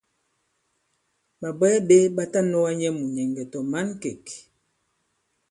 Ɓàbwɛɛ ɓē ɓa ta nɔ̄ga nyɛ mùnyɛ̀ŋgɛ̀ tɔ̀ mǎnkêk.